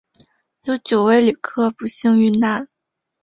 有九位旅客不幸罹难